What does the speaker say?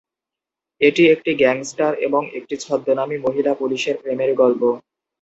এটি একটি গ্যাংস্টার এবং একটি ছদ্মবেশী মহিলা পুলিশের প্রেমের গল্প।